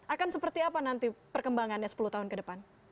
akan seperti apa nanti perkembangannya sepuluh tahun kedepan